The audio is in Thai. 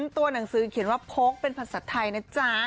ตัวหนังสือเขียนว่าโพกเป็นภาษาไทยนะจ๊ะ